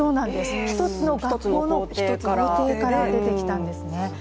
１つの学校の１つの校庭から出てきたんですね。